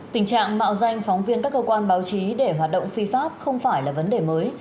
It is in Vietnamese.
tình trạng mạo danh phóng viên các cơ quan báo chí để hoạt động phi pháp không phải là vấn đề mới